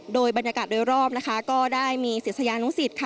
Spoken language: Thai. โดยบรรยากาศโดยรอบนะคะก็ได้มีศิษยานุสิตค่ะ